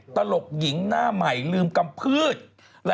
ตลกหญิงหน้าใหม่เราทรงกรรมพืช